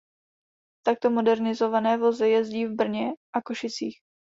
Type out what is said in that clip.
Takto modernizované vozy jezdí v Brně a Košicích.